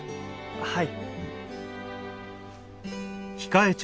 はい。